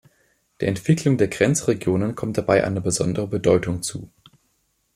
Der Entwicklung der Grenzregionen kommt dabei eine besondere Bedeutung zu.